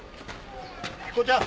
彦ちゃん